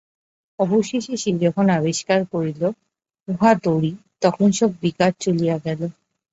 অবশেষে সে যখন আবিষ্কার করিল, উহা দড়ি, তখন সব বিকার চলিয়া গেল।